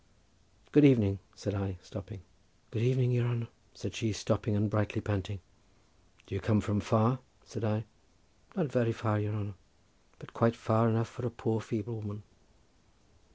"Good evening," said I, stopping. "Good evening, your honour," said she, stopping and slightly panting. "Do you come from far?" said I. "Not very far, your honour, but quite far enough for a poor feeble woman."